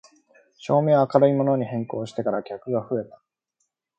照明を明るいものに変更してから客が増えた